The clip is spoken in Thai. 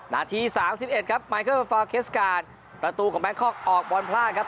นาทีสามสิบเอ็ดครับมายเคอร์เฟอร์ฟอร์เคสการ์ดประตูของแบงคอกออกบลพลาดครับ